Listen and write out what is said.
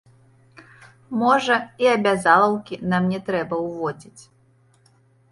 Можа, і абязалаўкі нам не трэба ўводзіць.